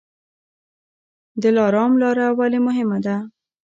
دلارام لاره ولې مهمه ده؟